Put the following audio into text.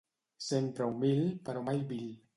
Sempre humil, però mai vil.